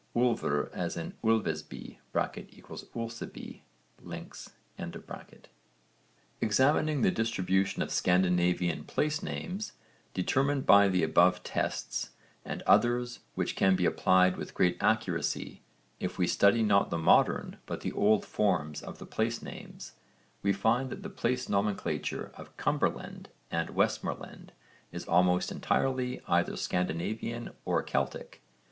Úlfr, as in Ulvesbi (=Ulceby, Lincs.). Examining the distribution of Scandinavian place names determined by the above tests and others which can be applied with great accuracy, if we study not the modern but the old forms of the place names, we find that the place nomenclature of Cumberland and Westmorland is almost entirely either Scandinavian or Celtic.